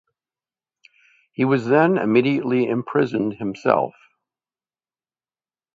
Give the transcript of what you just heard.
He was then immediately imprisoned himself.